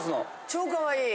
超かわいい。